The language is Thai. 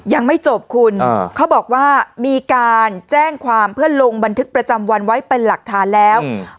ยังไม่จบคุณเขาบอกว่ามีการแจ้งความเพื่อลงบันทึกประจำวันไว้เป็นหลักฐานแล้ว